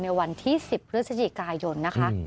ในวันที่๑๐พฤศจิกายนนะคะ